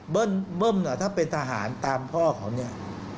เบิ้มเนี่ยถ้าเป็นทหารตามพ่อของเนี่ย